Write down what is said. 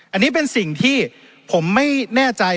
อันนี้เป็นสิ่งที่ผมไม่แน่ใจ